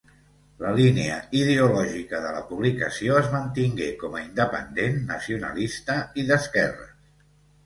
La línia ideològica de la publicació es mantingué com a independent, nacionalista i d’esquerres.